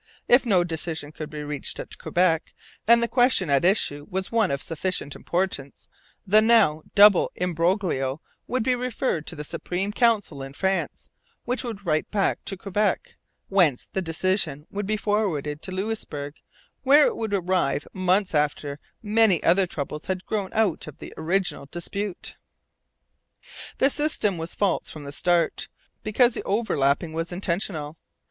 If no decision could be reached at Quebec, and the question at issue was one of sufficient importance, the now double imbroglio would be referred to the Supreme Council in France, which would write back to Quebec, whence the decision would be forwarded to Louisbourg, where it would arrive months after many other troubles had grown out of the original dispute. The system was false from the start, because the overlapping was intentional.